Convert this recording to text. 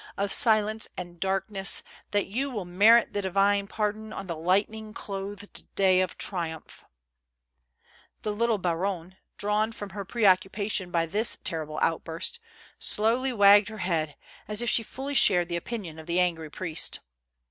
of silence and darkness, that you will merit the divine pardon on the lightning clothed day of triumph I " The little baronne, drawn from her preoccupation by this terrible outburst, slowly wagged her head, as if she fully shared the opinion of the angry priest.